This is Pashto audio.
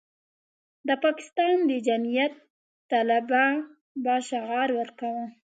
د پاکستان د جمعیت طلبه به شعار ورکاوه.